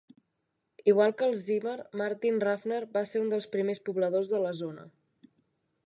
Igual que els Zimmer, Martin Ruffner va ser un dels primers pobladors de la zona.